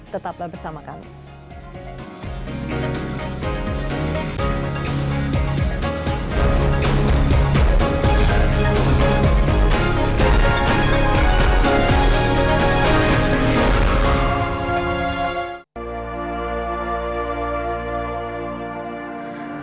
tetaplah bersama kami